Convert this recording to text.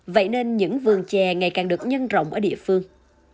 vậy nên những vườn chè ngày càng được nhân rộng ở địa phương